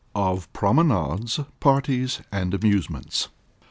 _Of Promenades, Parties, and Amusements.